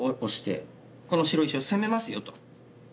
この白石を攻めますよと。